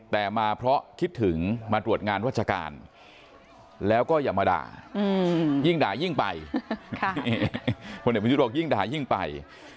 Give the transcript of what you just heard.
แต่มาเพราะคิดถึงมาตรวจงานวัชการแล้วก็อย่ามาด่ายิ่งด่ายิ่งไปพลเอกประยุทธ์บอกยิ่งด่ายิ่งไป